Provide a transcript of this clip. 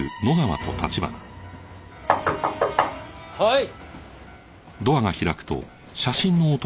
はい。